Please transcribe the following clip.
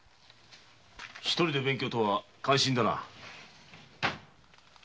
独りで勉強とは感心だな。